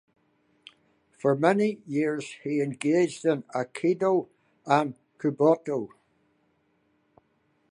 For many years he engaged in aikido and kobudo.